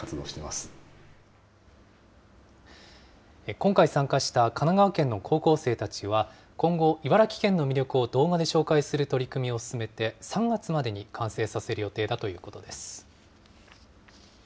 今回、参加した神奈川県の高校生たちは、今後、茨城県の魅力を動画で紹介する取り組みを進めて、３月までに完成させる予定だということです。